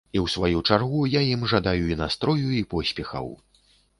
І ў сваю чаргу я ім жадаю і настрою, і поспехаў.